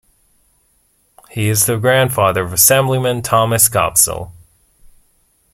He is the grandfather of Assemblyman Thomas Gopsill.